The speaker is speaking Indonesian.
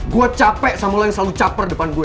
gue capek sama lo yang selalu caper depan gue